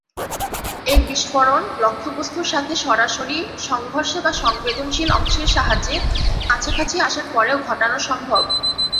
এর বিস্ফোরণ, লক্ষ্যবস্তুর সাথে সরাসরি সংঘর্ষে বা সংবেদনশীল অংশের সাহায্যে কাছাকাছি আসার পরও ঘটানো সম্ভব।